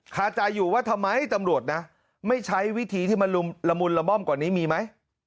คาใจอยู่ว่าทำไมตำรวจนะไม่ใช้วิธีที่มันละมุนละม่อมกว่านี้มีไหม